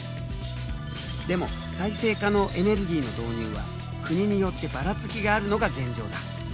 でも再生可能エネルギーの導入は国によってばらつきがあるのが現状だ。